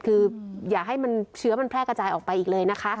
คืออย่าให้เชื้อมันแพร่กระจายออกไปอีกเลยนะคะ